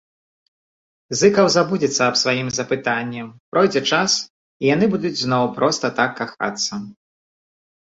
Зыкаў забудзецца аб сваім запытанні, пройдзе час, і яны будуць зноў проста так кахацца.